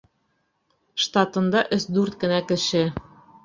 Штатында — өс-дүрт кенә кеше.